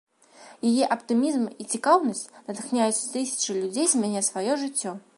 Яе аптымізм і цікаўнасць натхняюць тысячы людзей змяняць сваё жыццё.